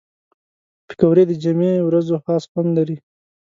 پکورې د جمعې ورځو خاص خوند لري